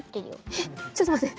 えっちょっと待って！